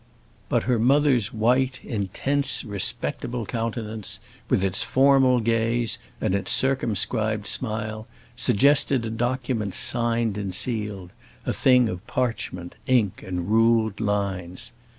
But her mother's white, intense, respectable countenance, with its formal gaze, and its circumscribed smile, suggested a document signed and sealed; a thing of parchment, ink, and ruled lines.